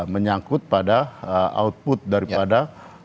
menyangkut pada output daripada